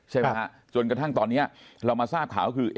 ใช่ไหมฮะจนกระทั่งตอนนี้เรามาทราบข่าวก็คือ